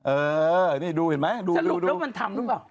เออนี่ดูเห็นไหมดูสรุปแล้วมันทำหรือเปล่า